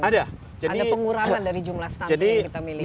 ada pengurangan dari jumlah stunting yang kita miliki